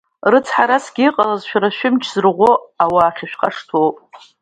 Рыцҳарасгьы иҟалаз, шәара шәымч зырӷәӷәо ауаа ахьышәхашҭуа ауп.